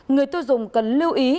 người tiêu dùng cần lưu ý